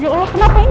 ya allah kenapa ini